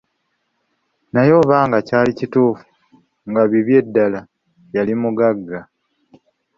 Naye oba nga kyali kituufu nga bibye ddala, yali mugagga.